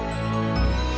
tuhan yang maha